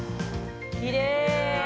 ◆きれい。